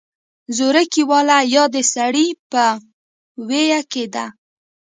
زورکۍ واله يا د سړۍ په ویي کې ده